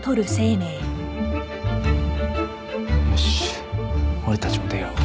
よし俺たちも出よう。